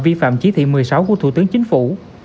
vi phạm chỉ thị một mươi sáu của thủ tướng chính phủ